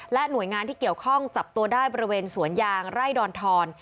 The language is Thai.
หน่วยงานที่เกี่ยวข้องจับตัวได้บริเวณสวนยางไร่ดอนทอน